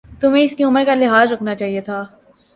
تمہیں اسکی عمر کا لحاظ رکھنا چاہیۓ تھا